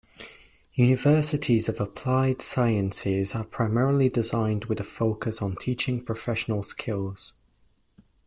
Universities of Applied Sciences are primarily designed with a focus on teaching professional skills.